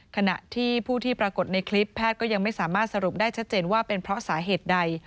ขณะที่ผู้ที่ปรากฏในคลิปแพทย์ก็ยังไม่สามารถสรุปได้ชัดเจนว่าเป็นเพราะสาเหตุใด